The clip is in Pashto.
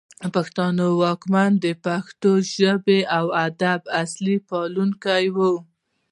پښتانه واکمن د پښتو ژبې او ادب اصلي پالونکي وو